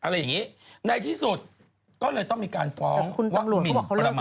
รอแล้วก็หมอแอ้กกับรองอันนี่